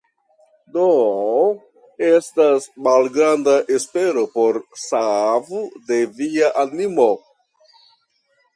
Do estas malgranda espero por savo de via animo.